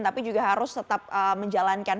tapi juga harus tetap menjalankan